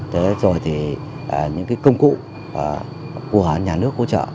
thế rồi thì những công cụ của nhà nước của chợ